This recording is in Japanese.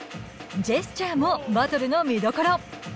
ジェスチャーもバトルの見どころ。